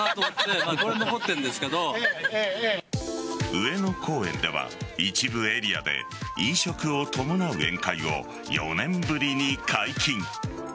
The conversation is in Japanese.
上野公園では一部エリアで飲食を伴う宴会を４年ぶりに解禁。